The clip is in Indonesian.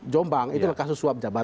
jombang itu kasus suap jabatan